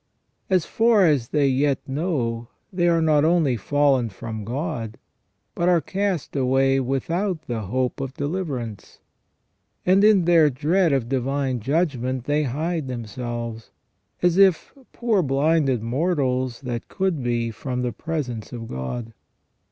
As far as they yet know they are not only fallen from God, but are cast away without the hope of deliverance ; and in their dread of divine judgment they hide themselves, as if, poor blinded mortals, that could be, from the presence of God.